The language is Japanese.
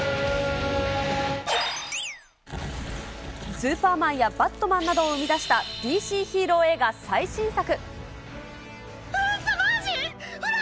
スーパーマンやバットマンなどを生み出したＤＣヒーロー映画最新作。